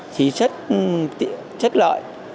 thì rất lợi